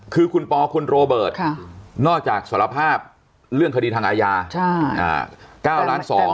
คือคุณปอคุณโรเบิร์ตนอกจากสารภาพเรื่องคดีทางอาญา๙ล้าน๒